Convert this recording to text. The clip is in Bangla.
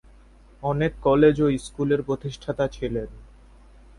অনেক কলেজ ও স্কুলের প্রতিষ্ঠাতা ছিলেন।